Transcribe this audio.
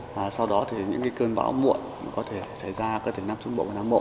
và sau đó thì những cơn bão muộn có thể xảy ra các tỉnh nam trung bộ và nam bộ